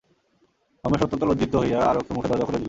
রমেশ অত্যন্ত লজ্জিত হইয়া আরক্ত মুখে দরজা খুলিয়া দিল।